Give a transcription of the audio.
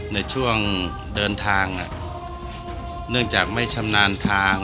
ในช่วงเดินทางเนื่องจากไม่ชำนาญทาง